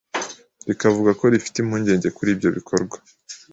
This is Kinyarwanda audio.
rikavuga ko rifite impungenge kuri ibyo bikorwa.